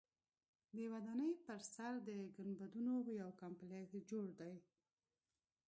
د ودانۍ پر سر د ګنبدونو یو کمپلیکس جوړ دی.